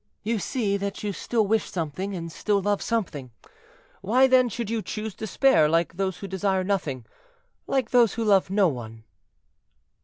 "You see that you still wish something, and still love something; why, then, should you choose despair, like those who desire nothing—like those who love no one?"